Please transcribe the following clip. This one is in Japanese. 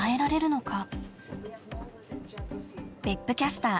別府キャスター